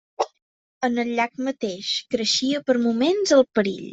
En el llac mateix creixia per moments el perill.